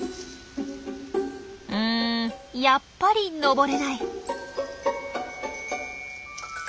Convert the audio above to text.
うんやっぱり登れない。